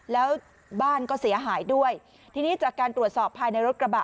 แล้วบ้านก็เสียหายด้วยทีนี้จากการตรวจสอบภายในรถกระบะ